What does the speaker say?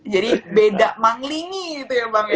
jadi beda manglingi gitu ya bang ya